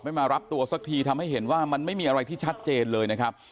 มารับตัวสักทีทำให้เห็นว่ามันไม่มีอะไรที่ชัดเจนเลยนะครับ